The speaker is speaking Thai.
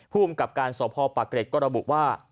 ภูมิกับการสพปะเกร็ดก็ระบุว่า